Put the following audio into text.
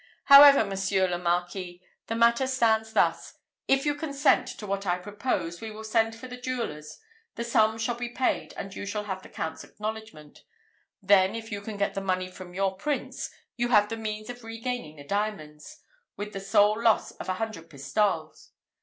"However, Monsieur le Marquis, the matter stands thus: if you consent to what I propose, we will send for the jewellers, the sum shall be paid, and you shall have the Count's acknowledgment; then, if you can get the money from your prince, you have the means of regaining the diamonds, with the sole loss of a hundred pistoles.